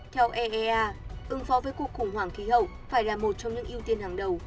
theo eea ứng phó với cuộc khủng hoảng khí hậu phải là một trong những ưu tiên hàng đầu